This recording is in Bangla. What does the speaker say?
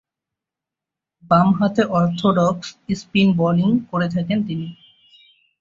বামহাতে অর্থোডক্স স্পিন বোলিং করে থাকেন তিনি।